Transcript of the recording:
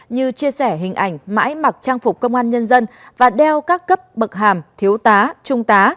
như chia sẻ hình ảnh mãi mặc trang phục công an nhân dân và đeo các cấp bậc hàm thiếu tá trung tá